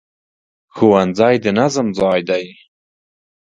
ښوونځی د نظم ځای دی